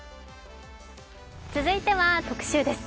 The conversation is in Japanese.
続いては特集です。